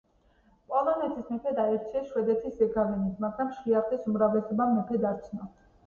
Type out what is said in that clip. პოლონეთის მეფედ აირჩიეს შვედეთის ზეგავლენით, მაგრამ შლიახტის უმრავლესობამ მეფედ არ ცნო.